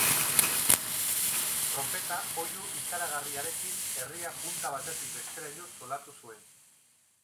Tronpeta oihu ikaragarri harekin herria punta batetik besteraino zulatu zuen.